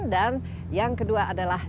dan yang kedua adalah